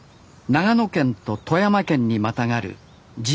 長野県と富山県にまたがる爺ヶ岳。